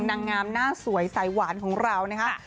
นางงามหน้าสวยสายหวานของเรานะครับ